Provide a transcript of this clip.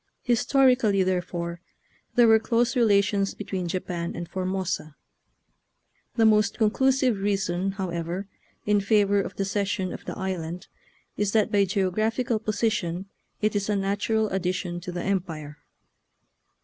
Historically, therefore, there were close relations between Japan and Formosa. The most conclusive reason, however, in favor of the cession of the island is that by geographical position it is a natural addition to the Empire.